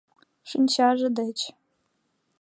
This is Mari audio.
Шинчаже деч.